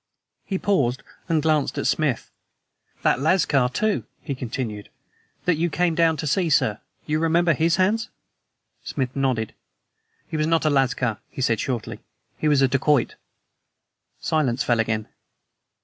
He paused and glanced at Smith. "That lascar, too," he continued, "that you came down to see, sir; you remember his hands?" Smith nodded. "He was not a lascar," he said shortly. "He was a dacoit." Silence fell again.